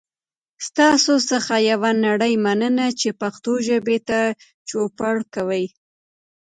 ستاسو څخه یوه نړۍ مننه چې پښتو ژبې ته چوپړ کوئ.